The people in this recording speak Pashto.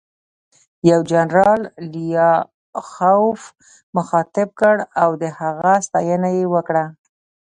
یو جنرال لیاخوف مخاطب کړ او د هغه ستاینه یې وکړه